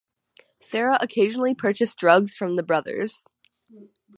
Sarah occasionally purchased drugs from the brothers.